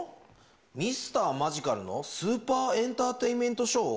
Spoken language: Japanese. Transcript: ミスターマジカルのスーパーエンターテインメントショー？